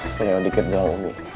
seengau di kerja omi